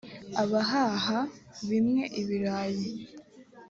abahaha bimwe ibirayi